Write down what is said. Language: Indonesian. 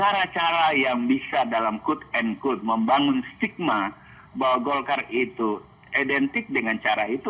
cara cara yang bisa dalam quote and quote membangun stigma bahwa golkar itu identik dengan cara itu